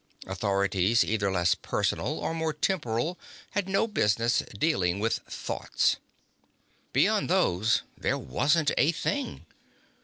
Authorities either less personal or more temporal had no business dealing with thoughts. Beyond those, there wasn't a thing.